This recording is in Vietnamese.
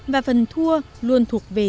và phần thua luôn thuộc về gia đình